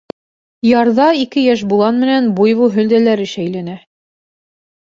Ярҙа ике йәш болан менән буйвол һөлдәләре шәйләнә.